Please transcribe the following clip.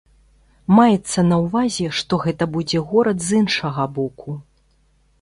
Маецца на ўвазе, што гэта будзе горад з іншага боку.